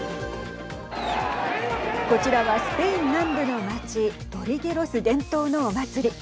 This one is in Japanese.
こちらは、スペイン南部の町トリゲロス伝統のお祭り。